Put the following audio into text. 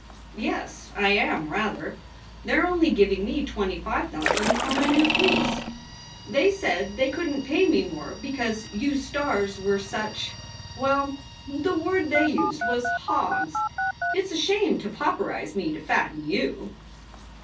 "Yes, I am, rather. They re only giving me twenty five thousand for my new piece. They said they couldn t pay me more because you stars were such well, the word they used was, hogs. It s a shame to pauperize me to fatten you."